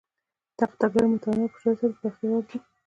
دغه تګلارې متنوع او په شدت سره د پراختیا وړ دي.